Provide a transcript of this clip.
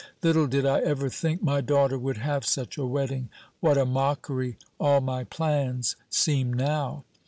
Little did I ever think my daughter would have such a wedding. What a mockery all my plans seem now!